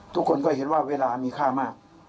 ทุกคนก็เห็นว่าเวลามีค่ามาก